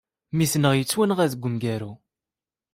Mmi-tneɣ yettwanɣa deg umgaru.